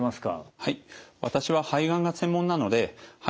はい。